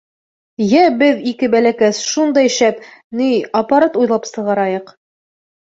— Йә, беҙ, ике бәләкәс, шундай шәп, ни, аппарат уйлап сығарайыҡ!